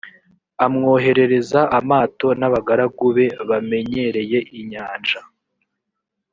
amwoherereza amato n ‘abagaragu be bamenyereye inyanja.